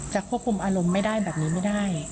ควบคุมอารมณ์ไม่ได้แบบนี้ไม่ได้